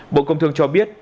bộ công thương cho biết